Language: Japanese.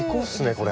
これ。